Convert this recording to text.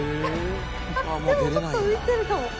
でもちょっと浮いてるかも。